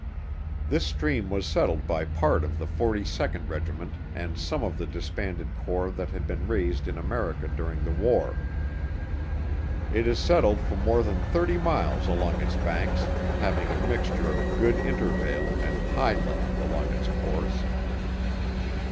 This stream was settled by part of the 42d Regiment and some of the disbanded corps that had been raised in America during the war. It is settled for more than thirty miles along its banks, having a mixture of good intervale and high land along its course.